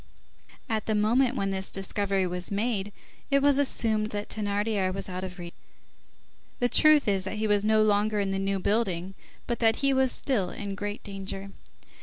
At the moment when this discovery was made, it was assumed that Thénardier was out of reach. The truth is, that he was no longer in the New Building, but that he was still in great danger.